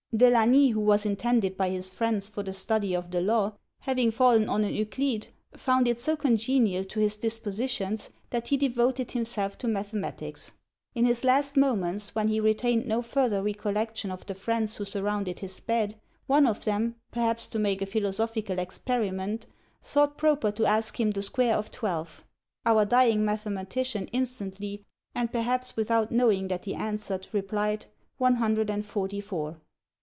De Lagny, who was intended by his friends for the study of the law, having fallen on an Euclid, found it so congenial to his dispositions, that he devoted himself to mathematics. In his last moments, when he retained no further recollection of the friends who surrounded his bed, one of them, perhaps to make a philosophical experiment, thought proper to ask him the square of twelve: our dying mathematician instantly, and perhaps without knowing that he answered, replied, "One hundred and forty four."